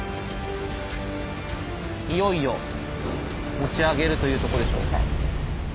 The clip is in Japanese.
いよいよ持ち上げるというとこでしょうか。